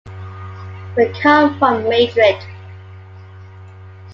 We've come from Madrid.